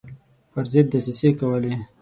پر ضد دسیسې کولې.